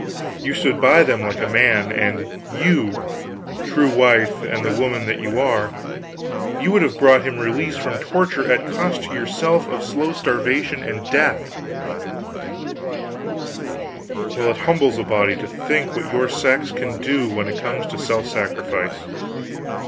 You stood by them like a man; and you true wife and the woman that you are you would have bought him release from torture at cost to yourself of slow starvation and death well, it humbles a body to think what your sex can do when it comes to self sacrifice.